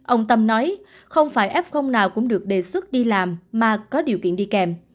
ông tâm nói không phải f nào cũng được đề xuất đi làm mà có điều kiện đi kèm